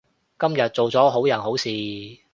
今日做咗好人好事